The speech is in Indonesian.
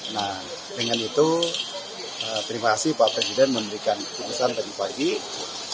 nah dengan itu terima kasih pak presiden menuliskan keputusan pak jepang ini